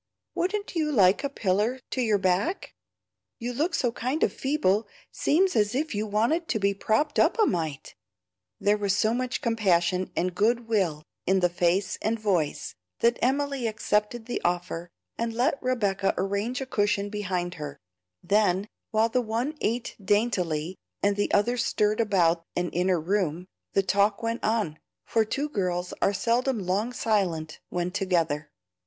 Wouldn't you like a piller to your back? you look so kind of feeble seems as if you wanted to be propped up a mite." There was so much compassion and good will in the face and voice, that Emily accepted the offer, and let Rebecca arrange a cushion behind her; then, while the one ate daintily, and the other stirred about an inner room, the talk went on, for two girls are seldom long silent when together.